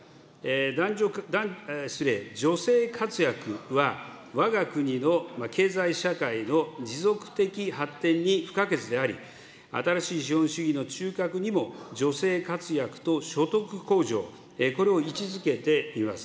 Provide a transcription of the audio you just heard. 男女、失礼、女性活躍は、わが国の経済社会の持続的発展に不可欠であり、新しい資本主義の中核にも、女性活躍と所得向上、これを位置づけています。